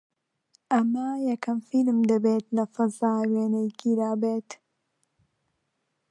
ئەمە یەکەم فیلم دەبێت لە فەزا وێنەی گیرابێت